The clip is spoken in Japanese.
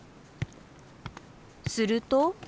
すると。